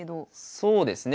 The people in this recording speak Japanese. そうですね。